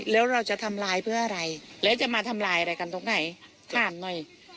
แล้วเราจะทำลายเพื่ออะไรแล้วจะมาทำลายอะไรกันตรงไหนถามหน่อย